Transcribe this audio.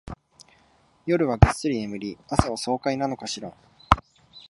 夜はぐっすり眠り、朝は爽快なのかしら